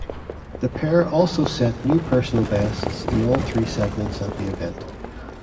The pair also set new personal bests in all three segments at the event.